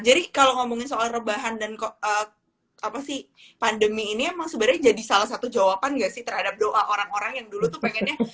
jadi kalo ngomongin soal rebahan dan apa sih pandemi ini emang sebenernya jadi salah satu jawaban nggak sih terhadap doa orang orang yang dulu tuh pengennya